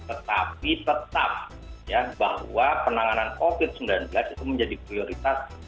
tetapi tetap ya bahwa penanganan covid sembilan belas itu menjadi prioritas